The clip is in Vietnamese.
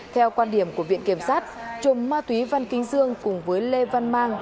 theo quan điểm của viện kiểm sát trùm ma túy văn kinh dương cùng với lê văn mang